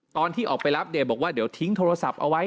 ตอนที่ออกไปรับเนี่ยบอกว่าเดี๋ยวทิ้งโทรศัพท์เอาไว้